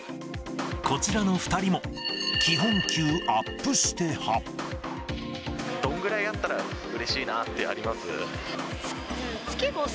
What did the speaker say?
こちらの２人も、どんぐらいあったら、うれしいなってあります？